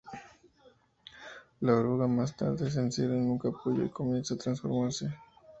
La oruga más tarde se encierra en un capullo y comienza a transformarse.